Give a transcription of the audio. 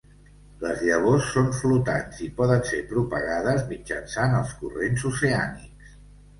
Les llavors són flotants i poden ser propagades mitjançant els corrents oceànics.